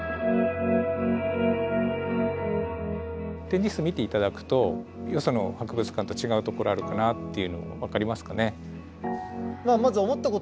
展示室見て頂くとよその博物館と違うところあるかなっていうの分かりますかね？